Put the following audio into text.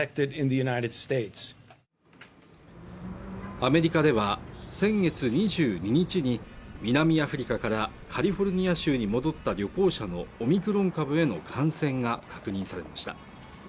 アメリカでは先月２２日に南アフリカからカリフォルニア州に戻った旅行者のオミクロン株への感染が確認されました